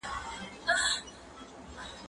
هغه وويل چي لاس مينځل مهم دي.